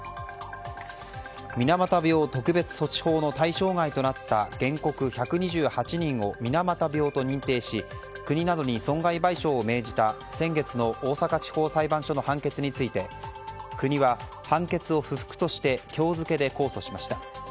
水俣病特別措置法の対象外となった原告１２８人を水俣病と認定し国などに損害賠償などを命じた先月の大阪地方裁判所の判決について国は判決を不服として今日付で控訴しました。